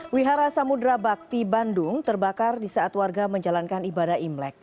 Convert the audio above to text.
wihara samudera bakti bandung terbakar di saat warga menjalankan ibadah imlek